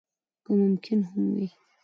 که ممکن هم وي.